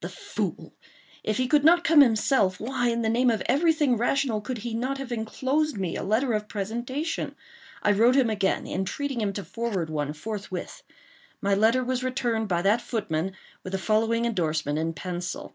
The fool! if he could not come himself, why, in the name of every thing rational, could he not have enclosed me a letter of presentation? I wrote him again, entreating him to forward one forthwith. My letter was returned by that footman, with the following endorsement in pencil.